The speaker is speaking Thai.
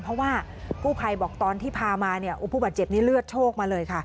เพราะว่ากู้ภัยเราก่อนที่พาอุภุบัตรเจ็บนี้เลือดโชคมาเลย